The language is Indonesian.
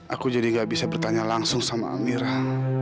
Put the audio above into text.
aku jadi gak bisa bertanya langsung sama amira